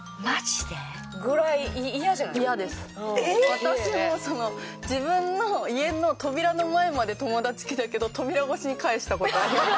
私も自分の家の扉の前まで友達来たけど扉越しに帰した事あります。